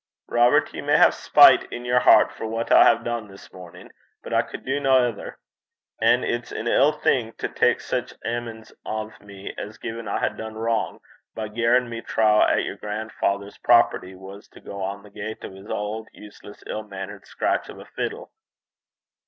'Robert, ye may hae spite in yer hert for what I hae dune this mornin', but I cud do no ither. An' it's an ill thing to tak sic amen's o' me, as gin I had dune wrang, by garrin' me troo 'at yer grandfather's property was to gang the gait o' 's auld, useless, ill mainnert scraich o' a fiddle.'